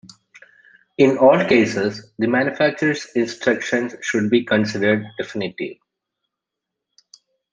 In all cases, the manufacturer's instructions should be considered definitive.